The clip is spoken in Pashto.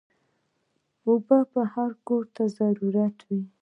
اوبه هر کور ته ضروري دي.